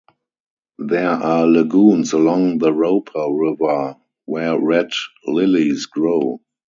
There are lagoons along the Roper River where red lilies grow.